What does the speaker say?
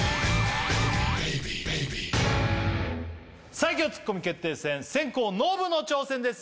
最強ツッコミ決定戦先攻ノブの挑戦です